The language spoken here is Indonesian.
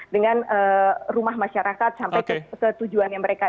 dengan rumah masyarakat sampai ke tujuan yang mereka